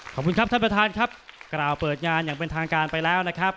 ขอบคุณครับท่านประธานครับกล่าวเปิดงานอย่างเป็นทางการไปแล้วนะครับ